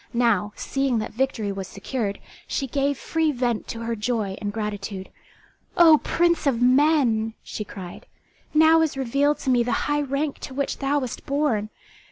Now, seeing that victory was secured, she gave free vent to her joy and gratitude. "O prince of men!" she cried, "now is revealed to me the high rank to which thou wast born.